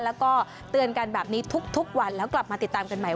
แล้วก็เตือนกันแบบนี้ทุกวันแล้วกลับมาติดตามกันใหม่